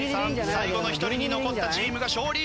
最後の１人に残ったチームが勝利。